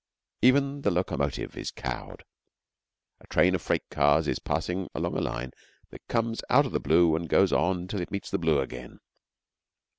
Even the locomotive is cowed. A train of freight cars is passing along a line that comes out of the blue and goes on till it meets the blue again.